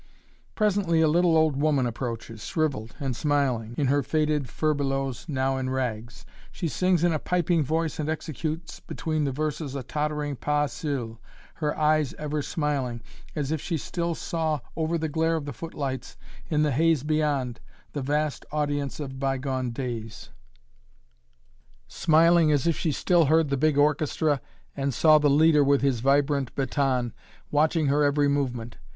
Presently a little old woman approaches, shriveled and smiling, in her faded furbelows now in rags. She sings in a piping voice and executes between the verses a tottering pas seul, her eyes ever smiling, as if she still saw over the glare of the footlights, in the haze beyond, the vast audience of by gone days; smiling as if she still heard the big orchestra and saw the leader with his vibrant baton, watching her every movement.